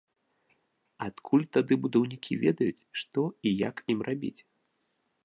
Адкуль тады будаўнікі ведаюць, што і як ім рабіць?